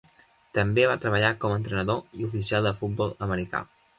També va treballar com a entrenador i oficial de futbol americà.